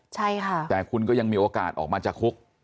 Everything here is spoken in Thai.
ใช่ค่ะแต่คุณก็ยังมีโอกาสออกมาจากคุก